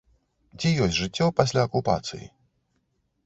Ці ёсць жыццё пасля акупацыі?